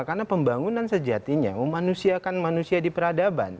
karena pembangunan sejatinya memanusiakan manusia di peradaban